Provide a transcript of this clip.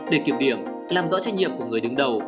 để kiểm điểm làm rõ trách nhiệm của người đứng đầu